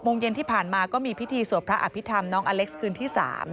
โมงเย็นที่ผ่านมาก็มีพิธีสวดพระอภิษฐรรมน้องอเล็กซ์คืนที่๓